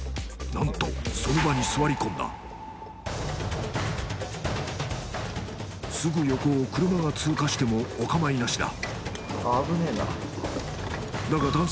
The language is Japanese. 何とその場に座り込んだすぐ横を車が通過してもおかまいなしだ